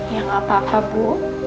ya gak apa apa bu